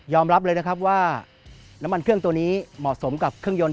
รับเลยนะครับว่าน้ำมันเครื่องตัวนี้เหมาะสมกับเครื่องยนต